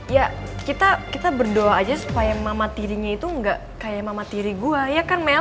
ya kita berdoa aja supaya mama tirinya itu nggak kayak mama tiri gue ya kan mel